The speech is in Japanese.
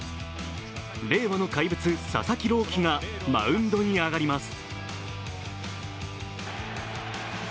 令和の怪物・佐々木朗希がマウンドに上がります。